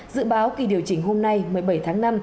dự báo kỳ điều chỉnh hôm nay một mươi bảy tháng năm